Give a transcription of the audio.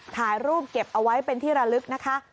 ถ่ายรูปเก็บเอาไว้เป็นที่ระลึกนะคะ